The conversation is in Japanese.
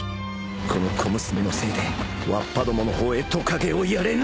この小娘のせいでわっぱどもの方へトカゲをやれぬ！